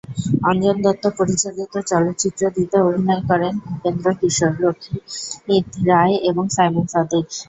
অঞ্জন দত্ত পরিচালিত চলচ্চিত্রটিতে অভিনয় করেন ভূপেন্দ্রকিশোর রক্ষিত রায় এবং সায়মন সাদিক।